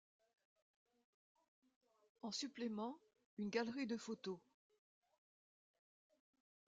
En supplément une galerie de photos.